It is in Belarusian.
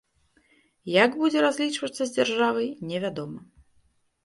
Як будзе разлічвацца з дзяржавай, не вядома.